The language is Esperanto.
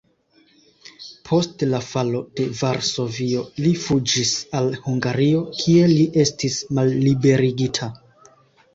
Post la falo de Varsovio li fuĝis al Hungario, kie li estis malliberigita.